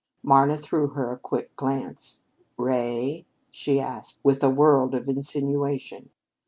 Marna threw her a quick glance. "Ray?" she asked with a world of insinuation.